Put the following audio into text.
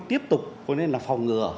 tiếp tục có nên là phòng ngừa